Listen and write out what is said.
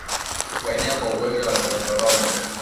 Kuenea kwa ugonjwa wa ndorobo